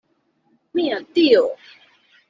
Mia Dio!